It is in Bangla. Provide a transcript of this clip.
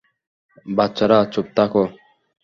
বাচ্চারা, চুপ থাকো।